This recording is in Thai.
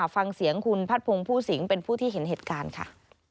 ฟังเสียงคุณพัดพงศ์ผู้สิงเป็นผู้ที่เห็นเหตุการณ์ค่ะ